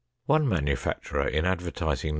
One manufacturer in advertising No.